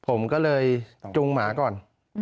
ผมก็เลยจุงหมาก่อน